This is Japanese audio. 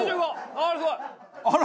あら！